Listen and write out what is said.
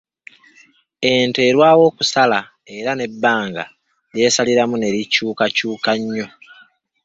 Ente erwawo okusala era n’ebbanga ly’esaliramu ne likyukakyuka nnyo.